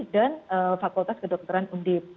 dan fakultas kedokteran undip